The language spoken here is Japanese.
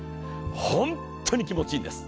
本当に気持ちいいんです。